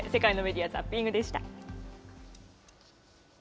ここまで世界のメディア・ザッピングでした。